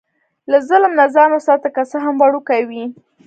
له ظلم نه ځان وساته، که څه هم وړوکی وي.